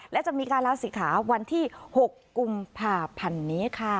และจะมีการลาศิกขาวันที่๖กุมภาพันธ์นี้ค่ะ